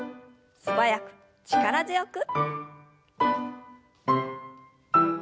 素早く力強く。